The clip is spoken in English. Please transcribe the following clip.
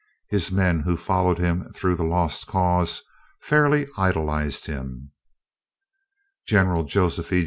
His men who followed him through the "Lost Cause" fairly idolized him. General Joseph E.